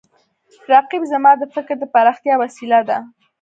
رقیب زما د فکر د پراختیا وسیله ده